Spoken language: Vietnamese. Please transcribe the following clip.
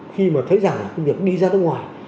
khi mà thấy rằng là công việc đi ra nước ngoài